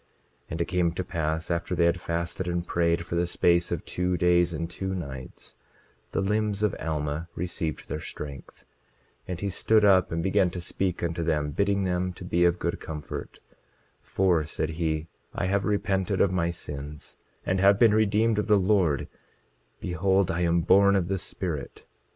27:23 And it came to pass after they had fasted and prayed for the space of two days and two nights, the limbs of Alma received their strength, and he stood up and began to speak unto them, bidding them to be of good comfort: 27:24 For, said he, I have repented of my sins, and have been redeemed of the Lord; behold I am born of the Spirit.